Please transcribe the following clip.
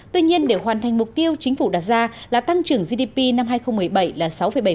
tuy nhiên để hoàn thành mục tiêu chính phủ đặt ra là tăng trưởng gdp năm hai nghìn một mươi bảy là sáu bảy